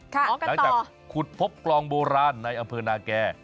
อ๋อกันต่อหลังจากคุดพบกลองโบราณในอำเภอนาแก่